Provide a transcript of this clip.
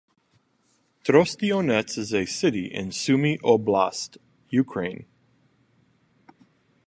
Trostianets is a city in Sumy Oblast, Ukraine.